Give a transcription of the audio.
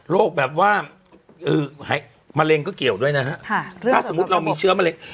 แบบว่ามะเร็งก็เกี่ยวด้วยนะฮะถ้าสมมุติเรามีเชื้อมะเร็ง